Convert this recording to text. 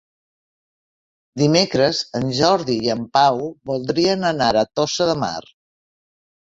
Dimecres en Jordi i en Pau voldrien anar a Tossa de Mar.